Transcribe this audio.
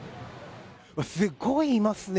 すごいいますね！